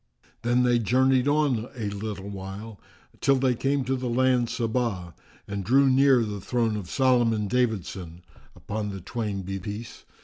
Then they journeyed on a little while till they came to the land Saba and drew near the throne of Solomon David son, (upon the twain be peace!)